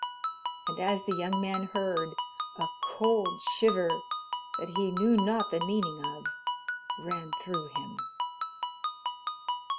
And as the young man heard, a cold shiver, that he knew not the meaning of, ran through him.